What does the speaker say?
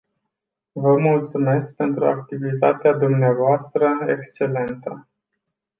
Vă mulțumesc pentru activitatea dvs.. excelentă.